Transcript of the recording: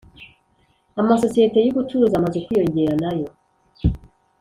Amasosiyete y Ubucuruzi amaze kwiyongera nayo